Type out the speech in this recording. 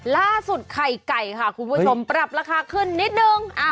ไข่ไก่ค่ะคุณผู้ชมปรับราคาขึ้นนิดนึง